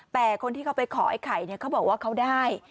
แต่คนที่เขาไปขอไอ้ไข่เขาบอกว่าเขาได้